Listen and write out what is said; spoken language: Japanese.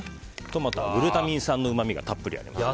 トマトはグルタミン酸のうまみがたっぷりあります。